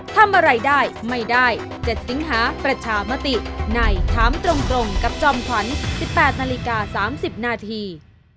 ทำอะไรได้ไม่ได้๗สิงหาประชามติในถามตรงกับจอมขวัญ๑๘นาฬิกา๓๐นาที